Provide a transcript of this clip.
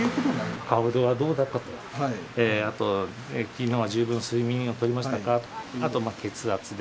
顔色はどうだったとか、あと、きのうは十分睡眠をとりましたか